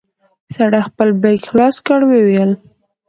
سړي خپل بېګ خلاص کړ ويې ويل.